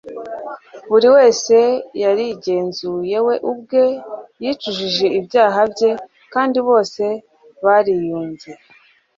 Buri wese yarigenzuye we ubwe, yicujije ibyaha bye kandi bose bariyunze.